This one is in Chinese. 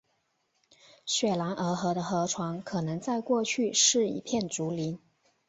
雪兰莪河的河床可能在过去是一片竹林。